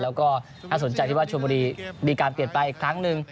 แล้วก็น่าสนใจที่ว่าชมบุรีมีการเปลี่ยนแปลงอีกครั้งหนึ่ง